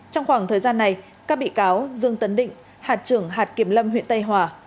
trong khoảng thời gian này các bị cáo dương tấn định hạt trưởng hạt kiểm lâm huyện tây hòa